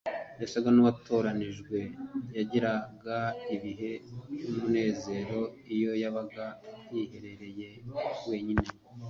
Yasaga n'uwatoranijwe. Yagiraga ibihe by'umunezero iyo yabaga yiherereye wenyine,